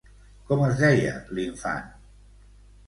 Com es deia l'infant?